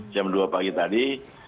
jam dua pagi tadi